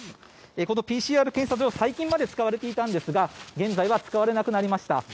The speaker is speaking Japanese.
このＰＣＲ検査場最近まで使われていたんですが現在は使われなくなりました。